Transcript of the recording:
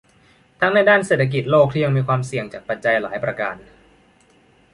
ทั้งในด้านเศรษฐกิจโลกที่ยังมีความเสี่ยงจากปัจจัยหลายประการ